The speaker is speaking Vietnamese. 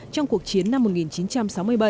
trong cuộc chiến năm một nghìn chín trăm sáu mươi bảy